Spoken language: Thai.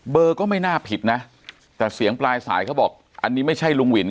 ก็ไม่น่าผิดนะแต่เสียงปลายสายเขาบอกอันนี้ไม่ใช่ลุงวิน